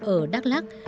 ở đắk lắc